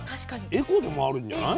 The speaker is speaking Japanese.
エコでもあるんじゃない？